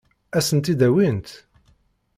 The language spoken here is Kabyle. Ad sen-tt-id-awint?